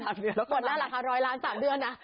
สามเดือนแล้วก็หมดแล้วล่ะค่ะร้อยล้านสามเดือนน่ะ